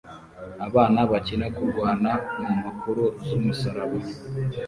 Abana bakina kurwana mumpapuro zumusarani